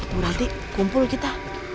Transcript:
berarti kumpul kita